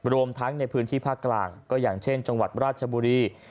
รวมทั้งในพื้นที่ภาคกลางก็อย่างเช่นจังหวัดราชบุรี